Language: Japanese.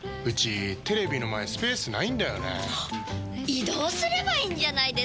移動すればいいんじゃないですか？